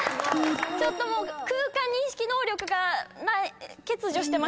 ちょっともう空間認識能力が欠如してました。